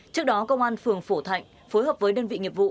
trước đó công an phường phổ thạnh phối hợp với đơn vị nghiệp vụ